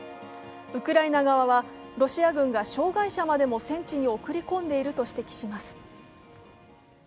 ウクライナ側は、ロシア軍が障害者までも戦地に送り込んでいると指摘します。